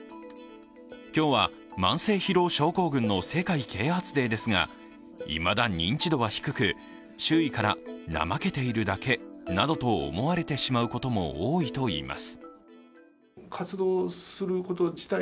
今日は慢性疲労症候群の世界啓発デーですがいまだ認知度は低く、周囲から怠けているだけなどと思われてしまうことも多いといいます。